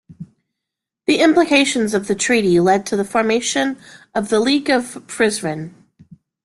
The implications of the treaty led to the formation of the League of Prizren.